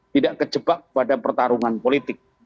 tidak kejebak pada pertarungan politik